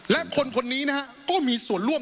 และคนคนนี้นะฮะก็มีส่วนร่วม